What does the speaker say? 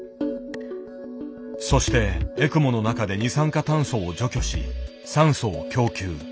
そしてエクモの中で二酸化炭素を除去し酸素を供給。